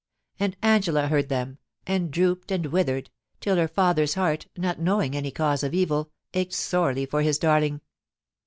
And Angela heard them, and drooped and withered, till her father's heart, not knowing any cause of evil, ached sorely for his darling.